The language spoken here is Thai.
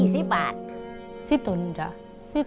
เมื่อ